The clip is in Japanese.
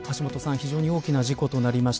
非常に大きな事故となりました。